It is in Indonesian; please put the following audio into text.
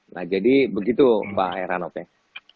nah jadi begitu pak erhanopeng